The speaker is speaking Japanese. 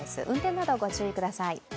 運転などご注意ください。